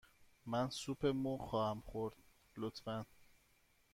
من سوپ مرغ خواهم خورد، لطفاً.